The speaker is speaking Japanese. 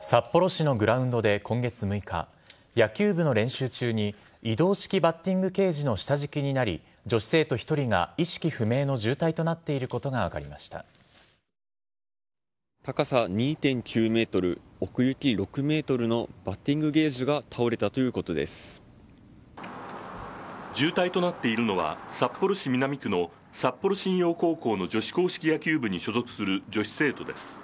札幌市のグラウンドで今月６日野球部の練習中に移動式バッティングケージの下敷きになり女子生徒１人が意識不明の重体となっていることが高さ２．９ｍ奥行き６ｍのバッティングケージが重体となっているのは札幌市南区の札幌新陽高校の女子硬式野球部に所属する女子生徒です。